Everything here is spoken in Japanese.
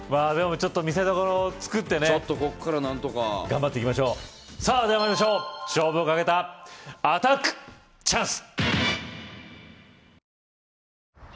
ちょっと見せどころ作ってねちょっとこっからなんとか頑張っていきましょうさぁでは参りましょう勝負をかけたアタックチャンス‼